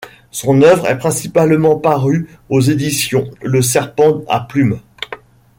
Son œuvre est principalement parue aux éditions Le Serpent à Plumes.